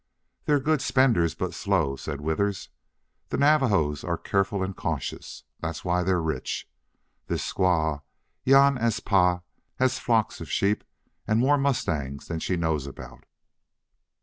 "They're good spenders, but slow," said Withers. "The Navajos are careful and cautious. That's why they're rich. This squaw, Yan As Pa, has flocks of sheep and more mustangs than she knows about."